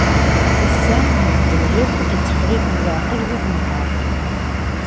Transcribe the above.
Ass-a medden akk itteffeɣ-iten leεqel di tenhert.